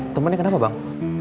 temennya kenapa bang